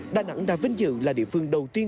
đà nẵng đã vinh dự là địa phương đầu tiên